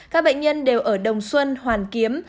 các bệnh nhân đều ở đồng xuân hoàn kiếm